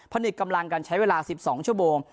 นึกกำลังกันใช้เวลา๑๒ชั่วโมง